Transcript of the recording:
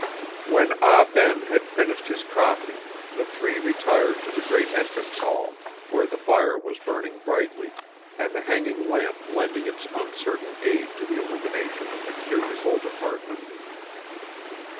3 When Ah Ben had finished his coffee, the three retired to the great entrance hall, where the fire was burning brightly, and the hanging lamp lending its uncertain aid to the illumination of the curious old apartment.